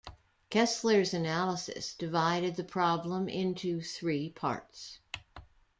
Kessler's analysis divided the problem into three parts.